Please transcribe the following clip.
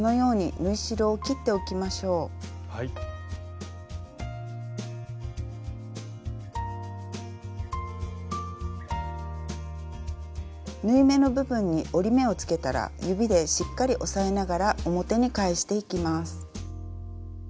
縫い目の部分に折り目をつけたら指でしっかり押さえながら表に返していきます。